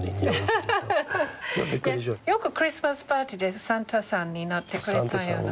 ハハハよくクリスマスパーティーでサンタさんになってくれたんやな。